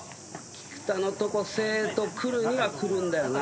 菊田のとこ生徒来るには来るんだよな。